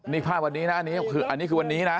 นี่ภาพวันนี้นะอันนี้คือวันนี้นะ